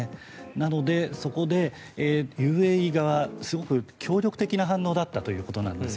なので、そこでＵＡＥ側はすごく協力的な反応だったということなんです。